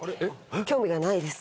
興味がないです。